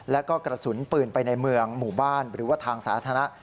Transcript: แล้วก็กระสุนปืนไปในเมืองหมู่บ้านหรือว่าทางสาธารณะ